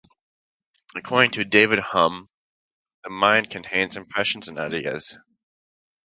According to David Hume, the mind contains impressions and ideas.